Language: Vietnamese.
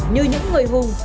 như những người hùng